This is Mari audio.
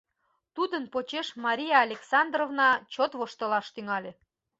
Тудын почеш Мария Александровна чот воштылаш тӱҥале.